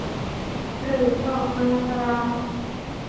หรือเกาะมาตรา